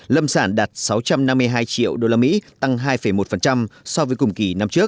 lâm sản đạt sáu trăm năm mươi hai triệu đô la mỹ